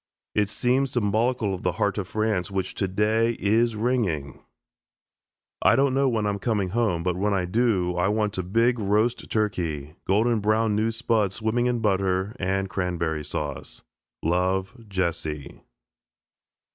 It seems symbolical of the heart of France, which, today, is ringing. I don't know when I'm coming home, but when I do, I want a big roast turkey, golden brown, new spuds swimming in butter and cranberry sauce. Love, JESSE.